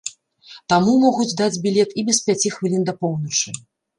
Таму могуць даць білет і без пяці хвілін да поўначы.